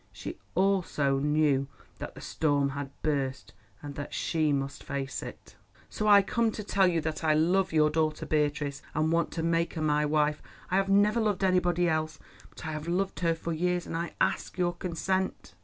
She also know that the storm had burst, and that she must face it. "So I come to tell you that I love your daughter Beatrice, and want to make her my wife. I have never loved anybody else, but I have loved her for years; and I ask your consent."